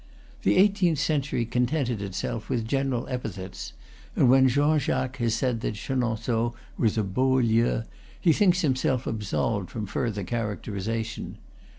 The eighteenth century contented itself with general epithets; and when Jean Jacques has said that Chenonceaux was a "beau lieu," he thinks himself absolved from further characterization.